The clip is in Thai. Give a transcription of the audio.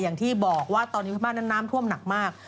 อย่างที่บอกว่าตอนนี้พม่านั้นน้ำท่วมหนักมาก